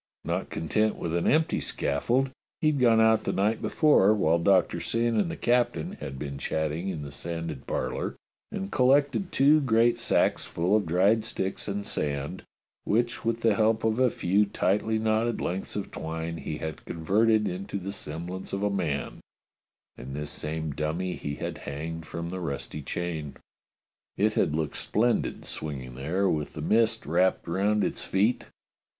Not content with an empty scaffold, he had gone out the night before, while Doctor Syn and the captain had been chatting in the sanded parlour, and collected two great sacks full of dried sticks and sand, which, with the help of a few tightly knotted lengths of twine, he had converted into the semblance of a man, and this same dummy he had hanged from the rusty chain. It had looked splendid swinging there with the mist wrapped round its feet.